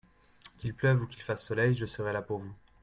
Qu'il pleuve ou qu'il fasse soleil, je serai là pour vous.